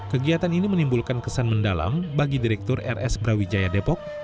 kegiatan ini menimbulkan kesan mendalam bagi direktur rs brawijaya depok